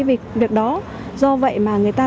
việc đó do vậy mà người ta